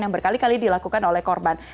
yang berkali kali dilakukan oleh korban